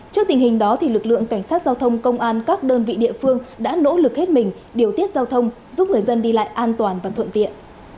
trước tình hình đó lực lượng cảnh sát giao thông công an các đơn vị địa phương đã nỗ lực hết mình điều tiết giao thông giúp người dân đi lại an toàn và thuận tiện